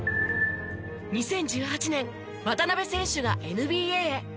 ２０１８年渡邊選手がＮＢＡへ。